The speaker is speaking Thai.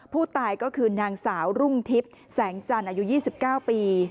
ผู้ตายก็คือนางสาวรุ่งทิพย์แสงจันทร์อายุ๒๙ปี